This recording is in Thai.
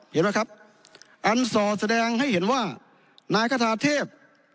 เห็นไหมครับอันส่อแสดงให้เห็นว่านายคาทาเทพ